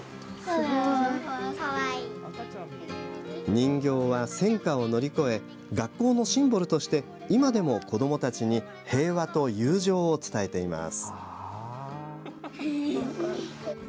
人形は戦禍を乗り越え学校のシンボルとして今でも子どもたちに平和と友情を伝えています。